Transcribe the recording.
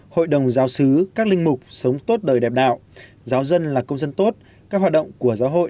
hội đồng giáo sứ các linh mục sống tốt đời đẹp đạo giáo dân là công dân tốt các hoạt động của giáo hội